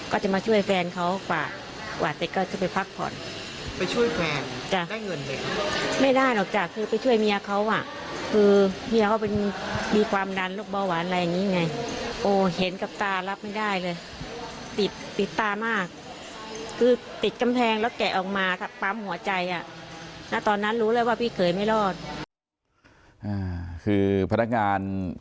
ก็จะมาช่วยแฟนเขากว่ากว่าเสร็จก็จะไปพักผ่อนไปช่วยแฟนได้เงินเห็นไม่ได้หรอกจ้ะคือไปช่วยเมียเขาอ่ะคือเมียเขาเป็นมีความดันรกเบาหวานอะไรอย่างนี้ไงโอ้เห็นกับตารับไม่ได้เลยติดติดตามากคือติดกำแพงแล้วแกะออกมาถักปั๊มหัวใจอ่ะแล้วตอนนั้นรู้แล้วว่าพี่เกย์ไม่รอดคือพนักงานที่เกี่ยวกับพ